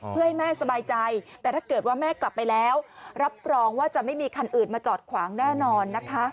เพื่อให้แม่สบายใจแต่ถ้าเกิดว่าแม่กลับไปแล้วรับรองว่าจะไม่มีคันอื่นมาจอดขวางแน่นอนนะคะ